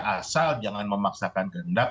asal jangan memaksakan kehendak